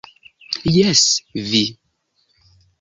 Jes, vi.